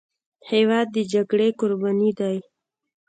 هېواد د جګړې قرباني دی.